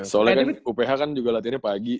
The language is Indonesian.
soalnya kan uph kan juga latihannya pagi